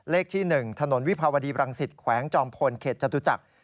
ที่๑ถนนวิภาวดีบรังสิตแขวงจอมพลเขตจตุจักร